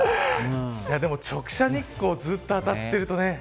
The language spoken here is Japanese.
でも直射日光ずっと当たっていると。